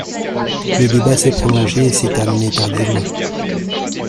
Le débat s’est prolongé et s’est terminé tardivement.